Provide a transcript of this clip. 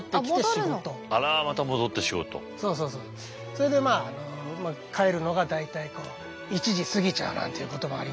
それでまあ帰るのが大体こう１時過ぎちゃうなんていうこともありますね。